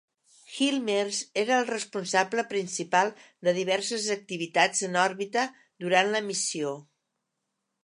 Hilmers era el responsable principal de diverses activitats en òrbita durant la missió.